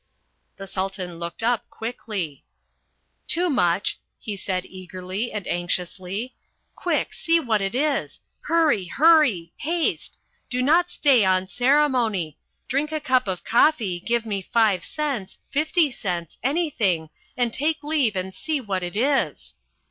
The Sultan looked up quickly. "Toomuch," he said eagerly and anxiously, "quick, see what it is. Hurry! hurry! Haste! Do not stay on ceremony. Drink a cup of coffee, give me five cents fifty cents, anything and take leave and see what it is."